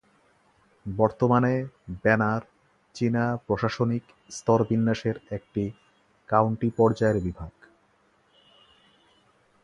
বর্তমানে ব্যানার চীনা প্রশাসনিক স্তরবিন্যাসের একটি কাউন্টি পর্যায়ের বিভাগ।